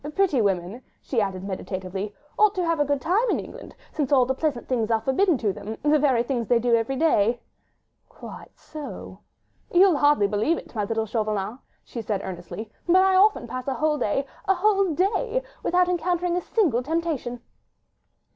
"Pretty women," she added meditatively, "ought to have a good time in England, since all the pleasant things are forbidden them—the very things they do every day." "Quite so!" "You'll hardly believe it, my little Chauvelin," she said earnestly, "but I often pass a whole day—a whole day—without encountering a single temptation."